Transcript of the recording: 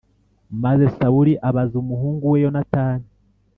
Maze Sawuli abaza umuhungu we Yonatani